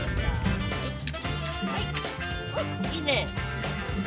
いいね。